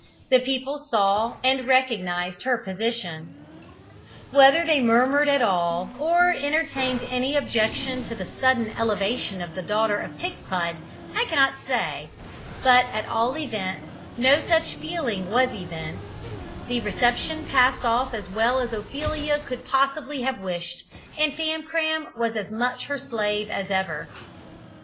The people saw and recognised her position. Whether they murmured at all, or entertained any objection to the sudden elevation of the daughter of Pigspud, I cannot say, but at all events no such feeling was evinced, the reception passed off as well as Ophelia could possibly have wished, and Famcram was as much her slave as ever.